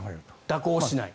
蛇行しない。